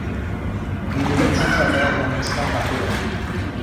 বিভূতিভূষণ সরকারের জন্মস্থান বাঁকুড়া।